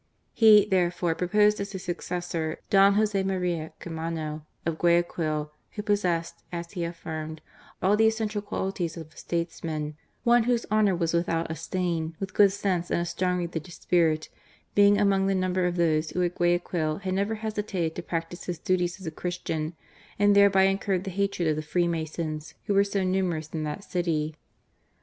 He, therefore, proposed as his suc cessor Don Jose Maria Caamano of Guayaquil, who possessed, as he affirmed, " all the essential qualities of a statesman — one whose honour was without a stain, with good sense and a strong religious spirit, being among the number of those who at Guayaquil had never hesitated to practise his duties as a Christian and thereby incurred the hatred of the Freemasons, who were so numerous in that city."